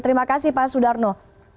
terima kasih pak sudarno